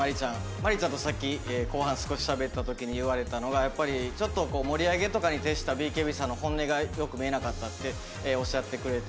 マリーちゃんとさっき後半少ししゃべった時に言われたのがやっぱりちょっと盛り上げとかに徹したＢＫＢさんの本音がよく見えなかったっておっしゃってくれて。